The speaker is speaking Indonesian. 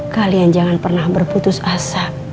kalian jangan pernah berputus asa